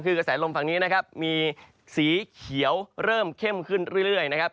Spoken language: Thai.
คือกระแสลมฝั่งนี้นะครับมีสีเขียวเริ่มเข้มขึ้นเรื่อยนะครับ